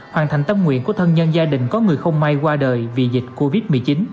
hoàn thành tâm nguyện của thân nhân gia đình có người không may qua đời vì dịch covid một mươi chín